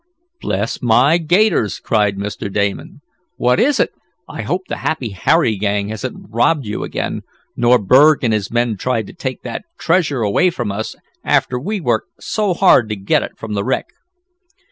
"Bless my gaiters!" cried Mr. Damon. "What is it? I hope the Happy Harry gang hasn't robbed you again; nor Berg and his men tried to take that treasure away from us, after we worked so hard to get it from the wreck."